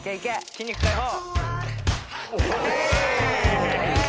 筋肉解放！